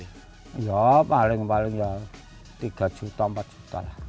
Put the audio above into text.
iya paling paling ya tiga empat juta